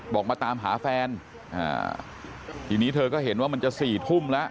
มาตามหาแฟนทีนี้เธอก็เห็นว่ามันจะสี่ทุ่มแล้ว